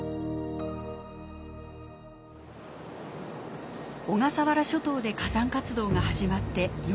小笠原諸島で火山活動が始まって４，８００万年。